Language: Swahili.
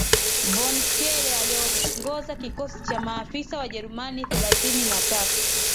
von Schele aliongoza kikosi cha maafisa Wajerumani thelathini na tatu